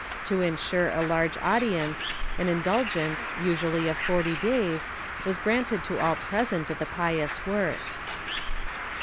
To insure a large attendance, an indul gence, usually of forty days, was granted to all present at the pious work.